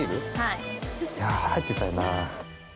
◆いや入っていたいな。